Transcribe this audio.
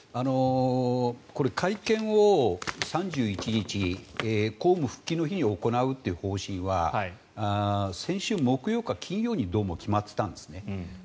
会見を３１日公務復帰の日に行うという方針は先週木曜か金曜にどうも決まっていたんですね。